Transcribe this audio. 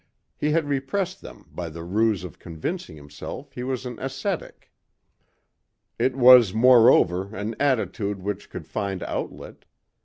He had repressed them by the ruse of convincing himself he was an ascetic. It was, moreover, an attitude which could find outlet.